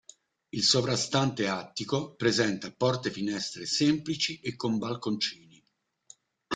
Il sovrastante attico presenta porte-finestre semplici e con balconcini.